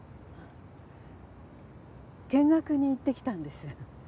見学に行ってきたんです。